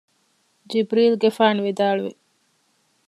ޖިބްރީލުގެފާނު ވިދާޅުވި